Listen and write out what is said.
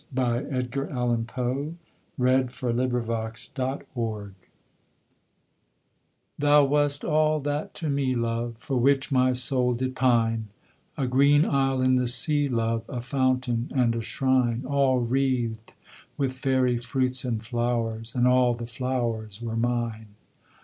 [Illustration: The Raven] TO ONE IN PARADISE Thou wast all that to me, love, For which my soul did pine A green isle in the sea, love, A fountain and a shrine, All wreathed with fairy fruits and flowers, And all the flowers were mine.